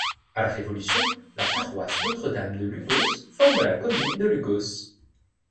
À la Révolution, la paroisse Notre-Dame de Lugos forme la commune de Lugos.